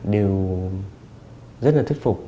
đều rất là thuyết phục